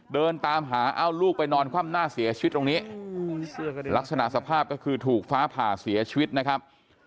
เดินตามหาเอ้าลูกไปนอนคว่ำหน้าเสียชีวิตตรงนี้ลักษณะสภาพก็คือถูกฟ้าผ่าเสียชีวิตนะครับ